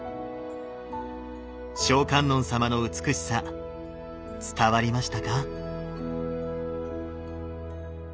聖観音様の美しさ伝わりましたか？